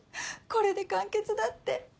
これで完結だって。